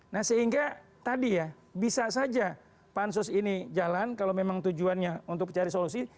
nah sehingga tadi ya bisa saja pansus ini jalan kalau memang tujuannya untuk cari solusi